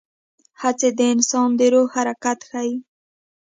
هڅې د انسان د روح حرکت ښيي.